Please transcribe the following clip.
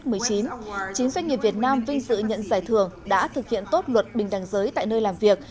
chín doanh nghiệp việt nam vinh dự nhận giải thưởng đã thực hiện tốt luật bình đẳng giới tại nơi làm việc